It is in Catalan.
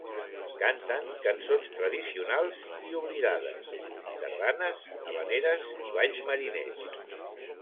Canten cançons tradicionals i oblidades, sardanes, havaneres i balls mariners.